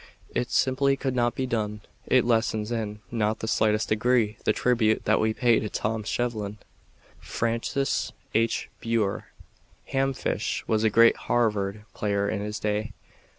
It simply could not be done. It lessens in not the slightest degree the tribute that we pay to Tom Shevlin. Francis H. Burr Ham Fish was a great Harvard player in his day.